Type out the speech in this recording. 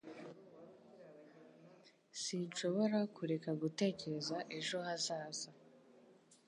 Sinshobora kureka gutekereza ejo hazaza